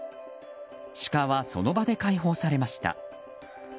シカは、その場で解放されました。